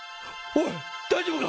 おい大丈夫か！